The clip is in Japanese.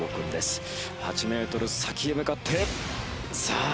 ８メートル先へ向かってさあ